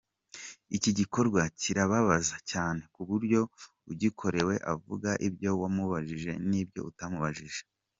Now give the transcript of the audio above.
Iki gikorwa kirababaza cyane k’uburyo ugikorerwe avuga ibyo wamubajije n’ibyo utamubajije.